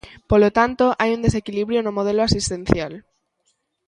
Polo tanto, hai un desequilibrio no modelo asistencial.